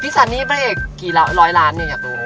พี่ซัลนี่บริเศษร้อยร้านอยากดู